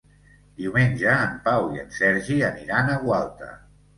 Diumenge en Pau i en Sergi aniran a Gualta.